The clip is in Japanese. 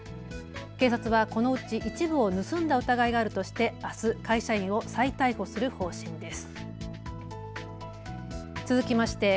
警察はこのうち一部を盗んだ疑いがあるとしてあす会社員を再逮捕する方針です。